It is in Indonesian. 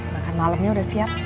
makan malemnya udah siap